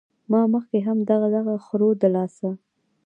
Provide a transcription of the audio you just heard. ما مخکښې هم د دغه خرو د لاسه